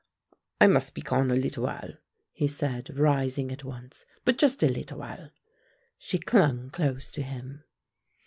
"I must be gone a little while," he said, rising at once, "but just a little while." She clung close to him.